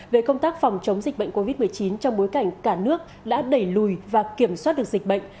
về công tác phòng chống dịch bệnh covid một mươi chín trong bối cảnh cả nước đã đẩy lùi và kiểm soát được dịch bệnh